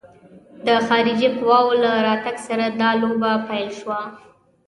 د خارجي قواوو له راتګ سره دا لوبه پیل شوه.